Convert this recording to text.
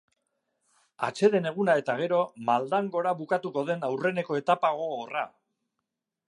Atseden eguna eta gero maldan gora bukatuko den aurreneko etapa gogorra.